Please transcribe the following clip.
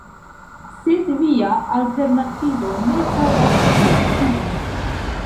Sed via alternativo ne povas funkcii.